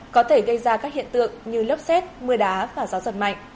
có thể gây ra các hiện tượng như lốc xét mưa đá và gió giật mạnh